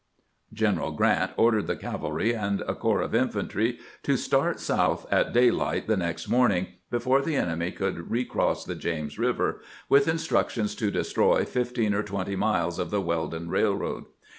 " General Grant ordered the cavalry and a corps of infantry to start south at daylight the next morning, before the enemy could recross the James River, with instructions to destroy fifteen or twenty mUes of the Weldon Eailroad.